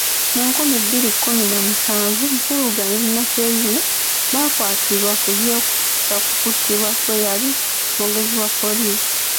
Mu nkumi bbiri kumina musanvu, Nsubuga ne Nakyeyune baakwatibwa ku byekuusa kukuttibwa kweyali omwogezi wa Poliisi.